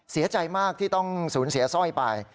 เสียใจมากที่ต้องสูญเสียสร้อยไป